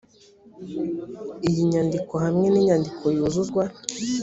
iyi nyandiko hamwe n inyandiko yuzuzwa